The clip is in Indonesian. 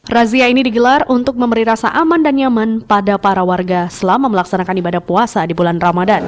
razia ini digelar untuk memberi rasa aman dan nyaman pada para warga selama melaksanakan ibadah puasa di bulan ramadan